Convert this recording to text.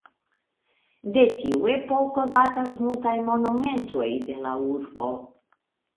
De tiu epoko datas multaj monumentoj de la urbo.